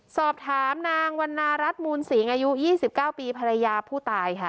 สอบถามนางวันนารัฐมูลสิงอายุ๒๙ปีภรรยาผู้ตายค่ะ